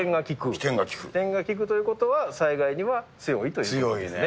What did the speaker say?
機転が利くということは、災害には強いということですね。